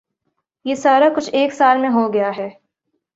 یہ سارا کچھ ایک سال میں ہو گیا ہے۔